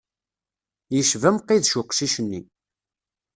Yecba Mqidec uqcic-nni.